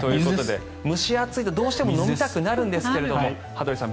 蒸し暑いとどうしても飲みたくなるんですが羽鳥さん